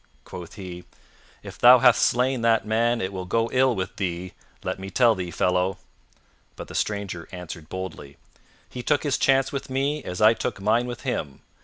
Quoth he, "If thou hath slain that man it will go ill with thee, let me tell thee, fellow." But the stranger answered boldly, "He took his chance with me as I took mine with him.